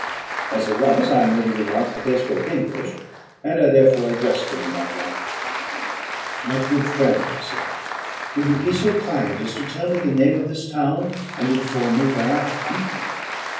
As it was, I merely remarked that they spoke English; and I therefore addressed them in that language: "My good friends," said I, "will you be so kind as to tell me the name of this town, and inform me where I am?"